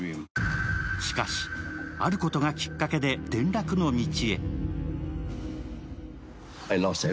しかし、あることがきっかけで転落の道へ。